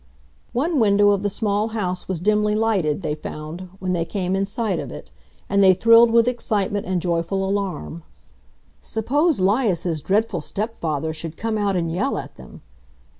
One window of the small house was dimly lighted, they found, when they came in sight of it, and they thrilled with excitement and joyful alarm. Suppose 'Lias's dreadful stepfather should come out and yell at them!